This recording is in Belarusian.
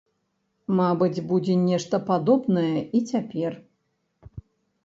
Мабыць, будзе нешта падобнае і цяпер.